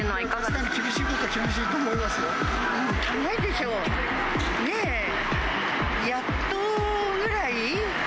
確かに厳しいことは厳しいと足りないでしょ、ねぇ、やっとぐらい？